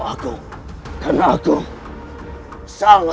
aku akan menangkapmu